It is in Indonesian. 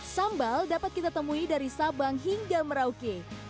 sambal dapat kita temui dari sabang hingga merauke